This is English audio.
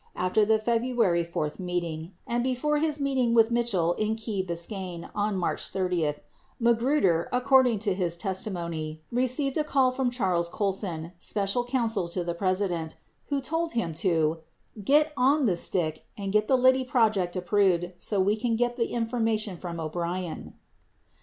After the Feb ruary 4 meeting, and before his meeting with Mitchell in Key Biscayne on March 30, Magruder, according to his testimony, received a call from Charles Colson, special counsel to the President, who told him to "get on the stick and get the Liddy project approved so we can get the in formation from O'Brien."